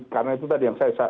karena itu tadi yang saya